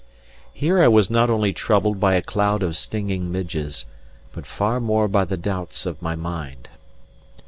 Here I was not only troubled by a cloud of stinging midges, but far more by the doubts of my mind.